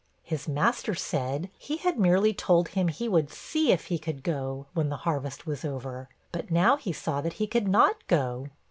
His master said, he had merely told him he 'would see if he could go, when the harvest was over; but now he saw that he could not go.'